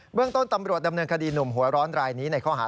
เรื่องต้นตำรวจดำเนินคดีหนุ่มหัวร้อนรายนี้ในข้อหา